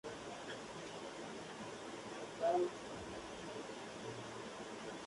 Todos los espectadores se asustan durante el espectáculo y muchos huyen.